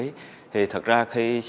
để giao dịch trong khang gian số